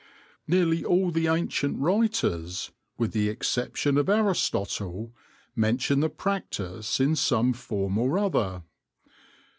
Nearly all the ancient writers, with the exception of Aristotle, mention the practice in some form or other.